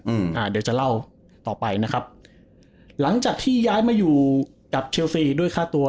อืมอ่าเดี๋ยวจะเล่าต่อไปนะครับหลังจากที่ย้ายมาอยู่กับเชลซีด้วยค่าตัว